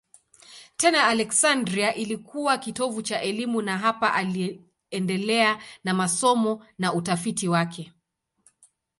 Tena Aleksandria ilikuwa kitovu cha elimu na hapa aliendelea na masomo na utafiti wake.